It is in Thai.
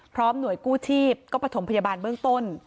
หน่วยกู้ชีพก็ประถมพยาบาลเบื้องต้น